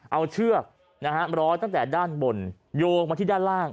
เอาเชือกร้อยตั้งแต่ด้านบนโยงมาที่ด้านล่าง